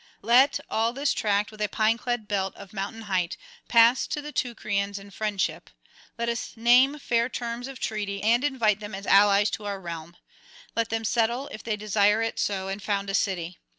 Let all this tract, with a pine clad belt of mountain height, pass to the Teucrians in friendship; let us name fair terms of treaty, and invite them as allies to our realm; let them settle, if they desire it so, and found a city.